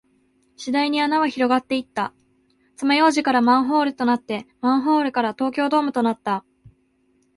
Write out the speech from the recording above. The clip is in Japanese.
次第に穴は広がっていった。爪楊枝からマンホールとなって、マンホールから東京ドームとなった。